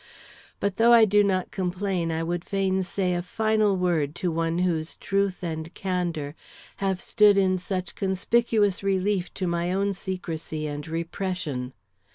But though I do not complain, I would fain say a final word to one whose truth and candor have stood in such conspicuous relief to my own secrecy and repression.